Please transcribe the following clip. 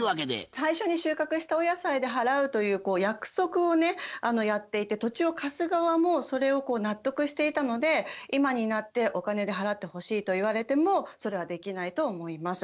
最初に収穫したお野菜で払うという約束をねやっていて土地を貸す側もそれをこう納得していたので今になってお金で払ってほしいと言われてもそれはできないと思います。